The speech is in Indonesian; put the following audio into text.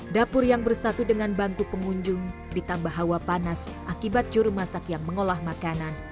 dapur yang bersatu dengan bangku pengunjung ditambah hawa panas akibat juru masak yang mengolah makanan